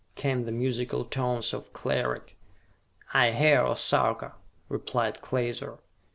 came the musical tones of Cleric. "I hear, O Sarka!" replied Klaser.